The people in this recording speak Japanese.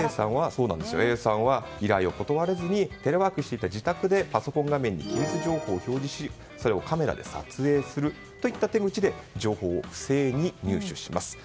Ａさんは依頼を断れずにテレワークしていた自宅でパソコン画面に機密情報を表示しそれをカメラで撮影するといった手口で、情報を不正に入手します。